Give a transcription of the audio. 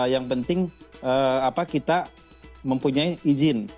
yang penting kita mempunyai izin